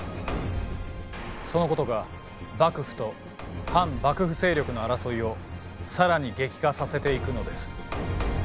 そのことが幕府と反幕府勢力の争いを更に激化させていくのです。